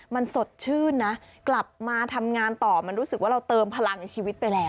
มันสดชื่นนะกลับมาทำงานต่อมันรู้สึกว่าเราเติมพลังชีวิตไปแล้ว